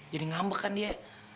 jadi ngambek kan dia